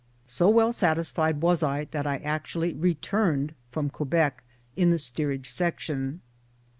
So well satisfied was I that I actually returned (from Quebec ) in the steerage section